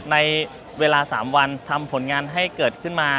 ในเวลา๓วันทำผลงานให้เกิดขึ้นมา